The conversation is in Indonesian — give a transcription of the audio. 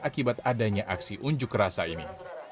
akibat adanya aksi unjuk rasa ini